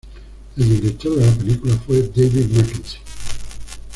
El director de la película fue David Mackenzie.